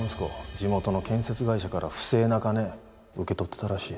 地元の建設会社から不正な金受け取ってたらしい。